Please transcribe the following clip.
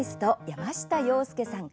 山下洋輔さん